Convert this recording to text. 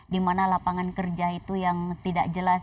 dimana lapangan kerja itu yang tidak jelas